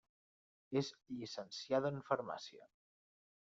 És llicenciada en Farmàcia.